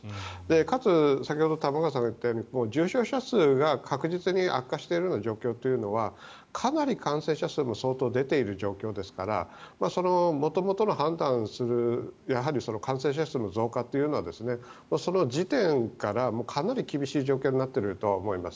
かつ先ほど玉川さんが言ったように重症者数が確実に悪化しているような状況というのはかなり感染者数も相当出ている状況ですから元々の判断する感染者数の増加というのはその時点からかなり厳しい状況になっているとは思います。